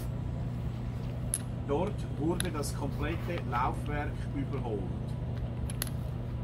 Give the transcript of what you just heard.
Dort wurde das komplette Laufwerk überholt.